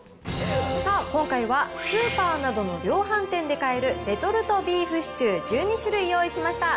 さあ、今回はスーパーなどの量販店で買えるレトルトビーフシチュー１２種類用意しました。